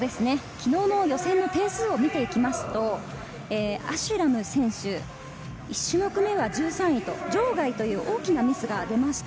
昨日の予選の点数を見ていきますと、アシュラム選手、１種目目は１３位と場外という大きなミスが出ました。